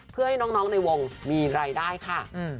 เพื่อให้น้องในวงมีรายได้ค่ะ